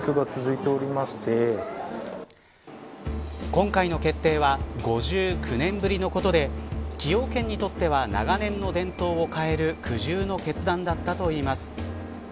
今回の決定は５９年ぶりとのことで崎陽軒にとっては長年の伝統を変える苦渋の決断だったといいます。